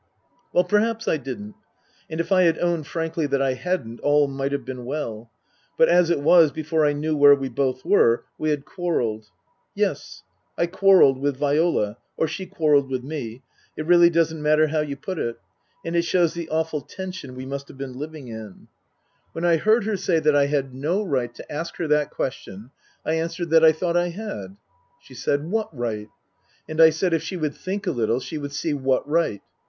Well, perhaps I hadn't. And if I had owned frankly that I hadn't all might have been well. But, as it was, before I knew where we both were, we had quarrelled. Yes. I quarrelled with Viola ; or she quarrelled with me ; it really doesn't matter how you put it ; and it shows the awful tension we must have been living in. 18* 276 Tasker Jevons When I heard her say that I had no right to ask her that question I answered that I thought I had. She said, " What right ?" And I said if she would think a little she would see what right.